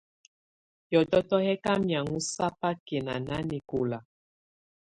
Hiɔ̀tɔtɔ yɛ̀ kà mianhɔ̀á sabakɛ̀na nanɛkɔla.